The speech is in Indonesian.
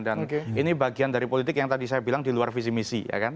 dan ini bagian dari politik yang tadi saya bilang di luar visi misi